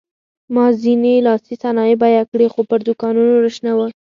ما ځینې لاسي صنایع بیه کړې خو پر دوکانونو رش نه و.